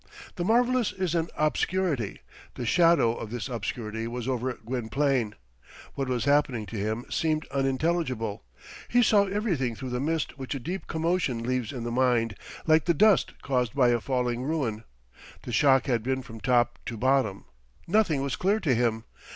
The marvellous is an obscurity. The shadow of this obscurity was over Gwynplaine. What was happening to him seemed unintelligible. He saw everything through the mist which a deep commotion leaves in the mind, like the dust caused by a falling ruin. The shock had been from top to bottom. Nothing was clear to him.